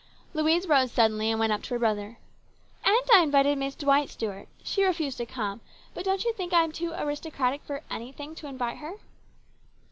Louise rose suddenly and went up to her brother. " And I invited Miss Dwight, Stuart. She refused to come ; but don't you think I am too aristocratic for anything to invite her